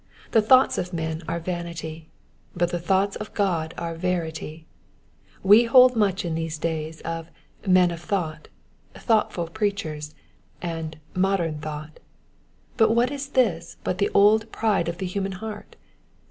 The thoughts of men are vanity ; but the thoughts of God are verity. We hear much in these days of men of thought," *' thoughtful preachers," and *' modem thought" : what is this but the old pride of the human heart?